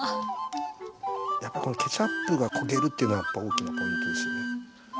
やっぱこのケチャップが焦げるっていうのが大きなポイントですよね。